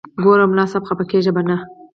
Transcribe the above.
ګوره ملا صاحب خپه کېږې به نه.